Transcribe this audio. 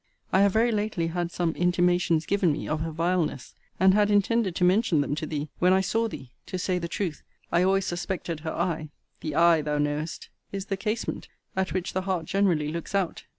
I have very lately had some intimations given me of her vileness; and had intended to mention them to thee when I saw thee. To say the truth, I always suspected her eye: the eye, thou knowest, is the casement at which the heart generally looks out.